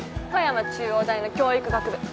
富山中央大の教育学部。